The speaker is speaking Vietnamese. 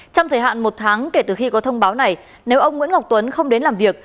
trong thời hạn một tháng kể từ khi có thông báo này nếu ông nguyễn ngọc tuấn không đến làm việc